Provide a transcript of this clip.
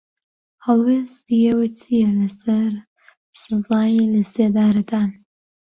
هەڵوێستی ئێوە چییە لەسەر سزای لەسێدارەدان؟